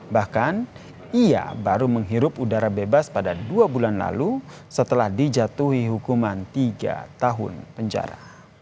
bahkan ia baru menghirup udara bebas pada dua bulan lalu setelah dijatuhi hukuman tiga tahun penjara